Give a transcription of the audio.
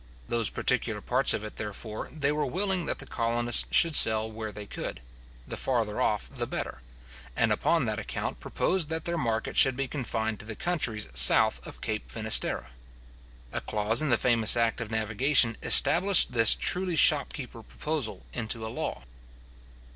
Those particular parts of it, therefore, they were willing that the colonists should sell where they could; the farther off the better; and upon that account proposed that their market should be confined to the countries south of Cape Finisterre. A clause in the famous act of navigation established this truly shopkeeper proposal into a law.